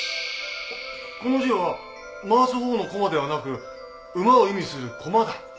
この字は回すほうの独楽ではなく馬を意味する駒だ。